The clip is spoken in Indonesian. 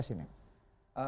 apa yang terjadi di sini